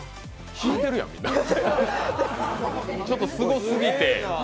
引いてるやん、ちょっとすごすぎて。